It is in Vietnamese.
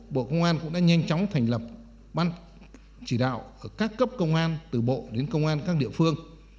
bộ công an cũng đã nhanh chóng thành lập ban chỉ đạo các cấp công an từ bộ đến công an các địa phương